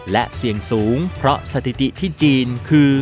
และเสี่ยงสูงเพราะสถิติที่จีนคือ